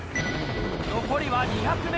残りは２００ｍ。